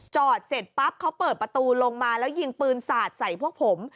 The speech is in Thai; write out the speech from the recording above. จอดเสร็จปั๊บเขาเปิดประตูลงมาแล้วยิงปืนสาดใส่พวกผม